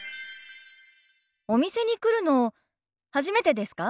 お店に来るの初めてですか？